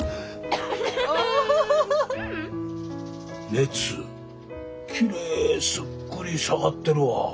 熱きれいすっくり下がってるわ。